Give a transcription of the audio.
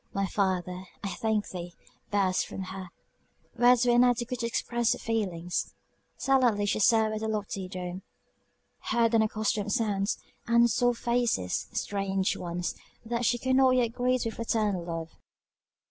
My Father, I thank thee! burst from her words were inadequate to express her feelings. Silently, she surveyed the lofty dome; heard unaccustomed sounds; and saw faces, strange ones, that she could not yet greet with fraternal love.